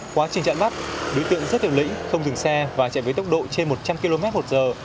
quá trình chặn bắt đối tượng rất hiệu lĩnh không dừng xe và chạy với tốc độ trên một trăm linh km một giờ